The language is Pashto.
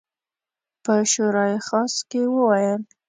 په شورای خاص کې وویل.